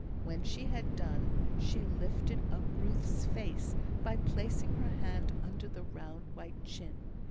When she had done, she lifted up Ruth's face by placing her hand under the round white chin.